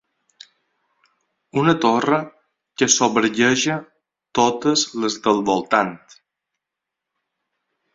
Una torre que sobergueja totes les del voltant.